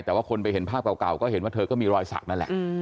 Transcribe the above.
แต่ว่าคนไปเห็นภาพเก่าก็เห็นว่าเธอก็มีรอยสักนั่นแหละ